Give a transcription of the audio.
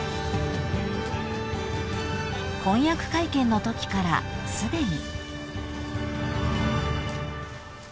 ［婚約会見のときからすでに］